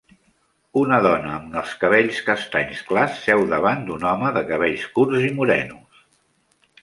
Una dona amb els cabells castanys clars seu davant d'un home de cabells curts i morenos.